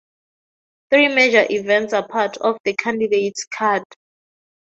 Three major events are part of the candidate's card.